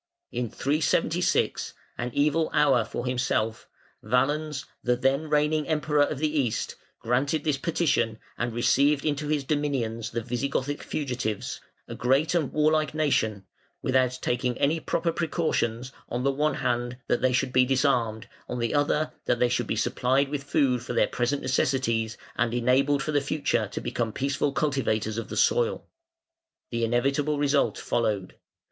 In 376 an evil hour for himself Valens, the then reigning Emperor of the East, granted this petition and received into his dominions the Visigothic fugitives, a great and warlike nation, without taking any proper precautions, on the one hand, that they should be disarmed, on the other, that they should be supplied with food for their present necessities and enabled for the future to become peaceful cultivators of the soil. The inevitable result followed.